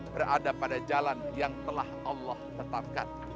berada pada jalan yang telah allah tetapkan